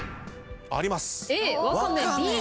あります。